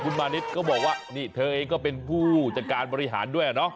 คุณมานิดก็บอกว่านี่เธอเองก็เป็นผู้จัดการบริหารด้วยเนาะ